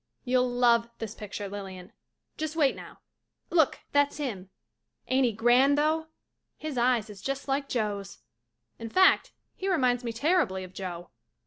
You'll love this picture, Lilian. Just wait now — look, that's him. Ain't he grand though? His eyes is just like Joe's. In fact he reminds me terribly of Joe.